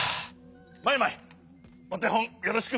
マイマイおてほんよろしく。